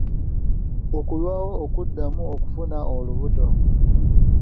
Okulwawo okuddamu okufuna olubuto.